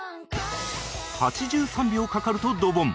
８３秒かかるとドボン